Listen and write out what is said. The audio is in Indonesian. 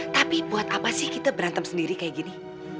tapi buat apa sih kita berantem sendiri kayak gini